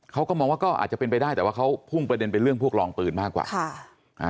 เขาก็มองว่าก็อาจจะเป็นไปได้แต่ว่าเขาพุ่งประเด็นไปเรื่องพวกรองปืนมากกว่า